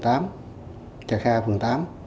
trà kha phường tám